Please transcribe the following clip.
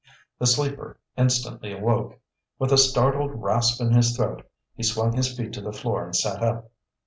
The sleeper instantly awoke. With a startled rasp in his throat, he swung his feet to the floor and sat up.